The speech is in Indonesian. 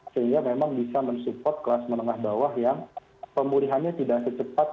sehingga memang bisa mensupport kelas menengah bawah yang pemulihannya tidak secepat